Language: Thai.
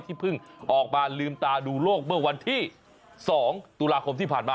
เพิ่งออกมาลืมตาดูโลกเมื่อวันที่๒ตุลาคมที่ผ่านมา